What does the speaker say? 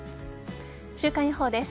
週間予報です。